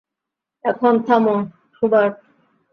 এখন, থামো, হুবার্ট।